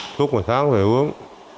thuốc một tháng rồi uống